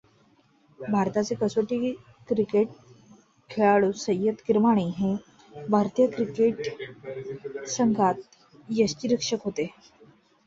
भारताचे कसोटी क्रिकेट खेळाडूसय्यद किरमाणी हे भारतीय क्रिकेट संघात यष्टिरक्षक होते.